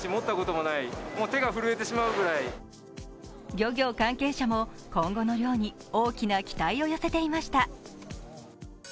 漁業関係者も今後の漁に大きな期待を寄せていました。